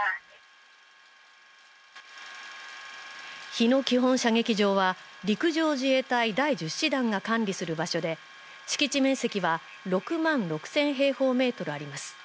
日野基本射撃場は、陸上自衛隊第１０師団が管理する場所で、敷地面積は６万６０００平方メートルあります。